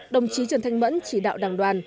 đồng chí trần thanh mẫn chỉ đạo đảng đoàn